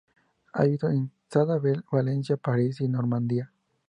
Ha vivido en Sabadell, Valencia, París y Normandía.